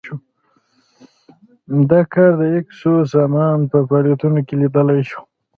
دا کار د ایکو سازمان په فعالیتونو کې لیدلای شو.